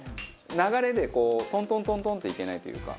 流れでトントントントンっていけないというか。